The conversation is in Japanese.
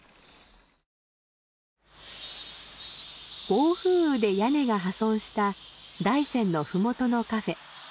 暴風雨で屋根が破損した大山のふもとのカフェ。